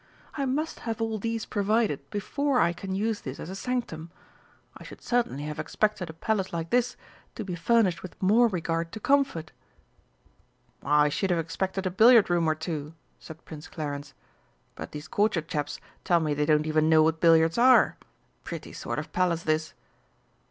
I must have all these provided before I can use this as a sanctum. I should certainly have expected a Palace like this to be furnished with more regard to comfort!" "I should have expected a billiard room or two," said Prince Clarence; "but these Courtier chaps tell me they don't even know what billiards are! Pretty sort of Palace this!"